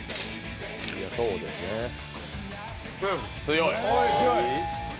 強い。